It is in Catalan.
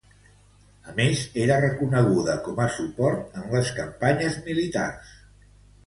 A més, era reconeguda com a suport en les campanyes militars.